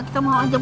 kita mau ajak